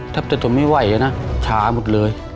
แทบจะทนไม่ไหวนะช้าหมดเลย